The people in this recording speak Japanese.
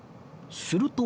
すると